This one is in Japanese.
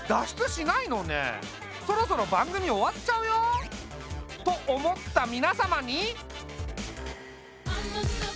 そろそろ番組終わっちゃうよ。と思った皆様に！